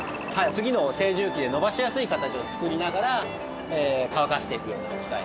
次の精揉機で伸ばしやすい形を作りながら乾かしていくような機械です。